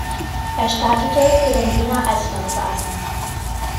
Er startete für den Wiener Eislauf-Verein.